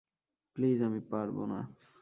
Please, আমি পারব না!